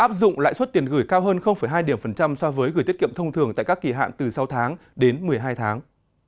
áp dụng lãi suất tiền gửi cao hơn hai so với gửi tiết kiệm thông thường tại các kỳ hạn từ sáu tháng đến một mươi hai tháng